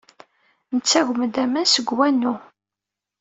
Nettagem-d aman seg wanu.